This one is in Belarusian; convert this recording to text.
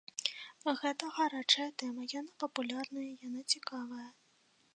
Гэта гарачая тэма, яна папулярная, яна цікавая.